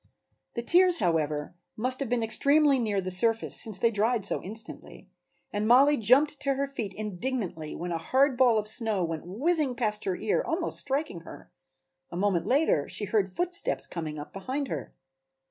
The tears, however, must have been extremely near the surface, since they dried so instantly, and Mollie jumped to her feet indignantly when a hard ball of snow went whizzing past her ear, almost striking her. A moment later she heard footsteps coming up behind her.